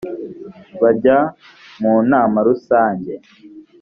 bajya mu nama rusange